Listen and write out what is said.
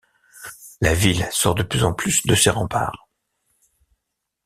La ville sort de plus en plus de ses remparts.